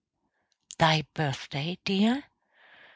Thy birthday, dear?